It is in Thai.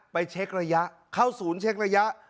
เช็กระยะเข้าศูนย์เช็กระยะ